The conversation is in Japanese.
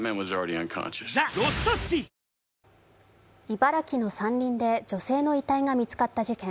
茨城の山林で女性の遺体が見つかった事件。